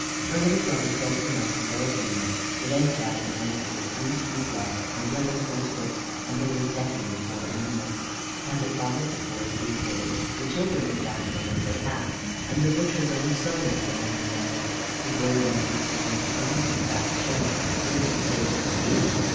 Her little brothers begged the man to stay a few minutes, for they had gathered a handful of blue speedwell and yellow crowsfoot, and they were decking the poor animal. As it followed the boys through the village, the children looked after them as they passed, and the butcher's own son was among the number. The boy remembered Susan's firmness about the shilling, for it had saved him a beating.